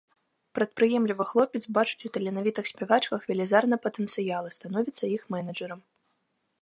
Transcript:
Прадпрыемлівы хлопец бачыць у таленавітых спявачках велізарны патэнцыял і становіцца іх менеджарам.